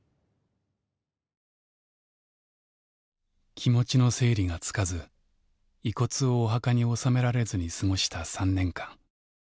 気持ちの整理がつかず遺骨をお墓に納められずに過ごした３年間。